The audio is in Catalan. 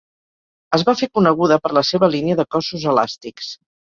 Es va fer coneguda per la seva línia de cossos elàstics.